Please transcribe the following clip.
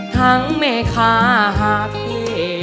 ทั้งแม่ค้าหากเย้